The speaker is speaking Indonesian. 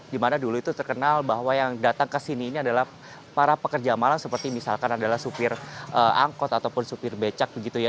dimana dulu itu terkenal bahwa yang datang ke sini ini adalah para pekerja malam seperti misalkan adalah supir angkot ataupun supir becak begitu ya